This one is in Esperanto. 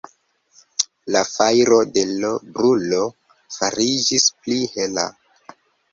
La fajro de l' brulo fariĝis pli hela.